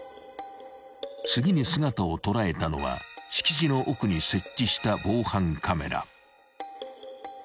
［次に姿を捉えたのは敷地の奥に設置した防犯カメラ］